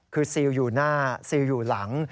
คือซิลอยู่หน้าซิลอยู่หลัง